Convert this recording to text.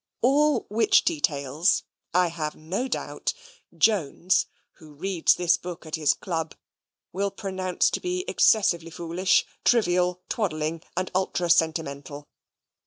All which details, I have no doubt, JONES, who reads this book at his Club, will pronounce to be excessively foolish, trivial, twaddling, and ultra sentimental.